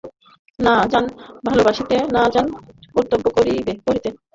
না জান ভালোবাসিতে, না জান কর্তব্য করিতে।